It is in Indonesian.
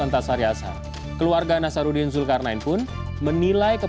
terima kasih pak